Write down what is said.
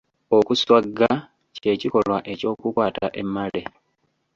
Okuswagga kye kikolwa eky’okukwata emmale.